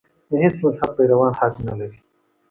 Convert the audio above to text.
د هېڅ مذهب پیروان حق نه لري.